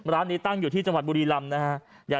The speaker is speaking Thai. ร้านนี้ตั้งอยู่ที่จังหวัดบุรีรำนะฮะ